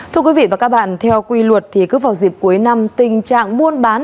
thưa quý vị và các bạn theo quy luật thì cứ vào dịp cuối năm tình trạng buôn bán